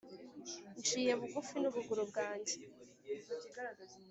Nciye bugufi n’ubuguru bwange,